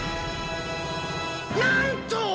なんと！？